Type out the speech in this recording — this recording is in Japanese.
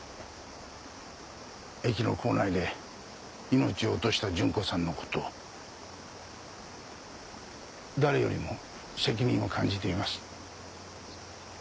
駅の構内で命を落とした純子さんのこと誰よりも責任を感じています。